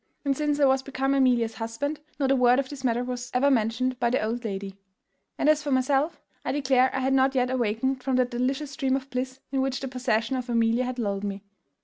And since I was become Amelia's husband not a word of this matter was ever mentioned by the old lady; and as for myself, I declare I had not yet awakened from that delicious dream of bliss in which the possession of Amelia had lulled me."